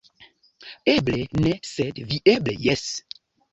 Eble ne, sed vi eble jes".